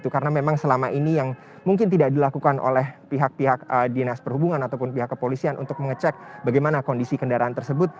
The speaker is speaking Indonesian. karena memang selama ini yang mungkin tidak dilakukan oleh pihak pihak dinas perhubungan ataupun pihak kepolisian untuk mengecek bagaimana kondisi kendaraan tersebut